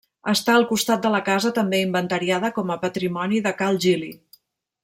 Està al costat de la casa també inventariada com a patrimoni de Cal Gili.